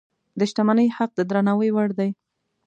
د شتمنۍ حق د درناوي وړ دی.